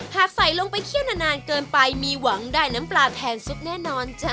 หากใส่ลงไปเคี่ยวนานเกินไปมีหวังได้น้ำปลาแทนซุปแน่นอนจ้ะ